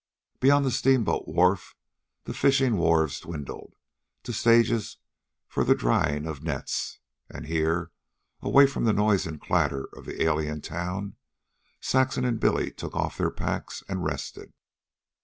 Beyond the steamboat wharf, the fishing wharves dwindled to stages for the drying of nets; and here, away from the noise and clatter of the alien town, Saxon and Billy took off their packs and rested.